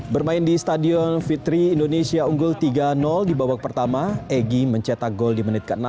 bermain di stadion fitri indonesia unggul tiga di babak pertama egy mencetak gol di menit ke enam